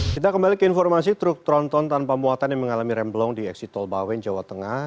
kita kembali ke informasi truk tronton tanpa muatan yang mengalami remblong di eksit tol bawen jawa tengah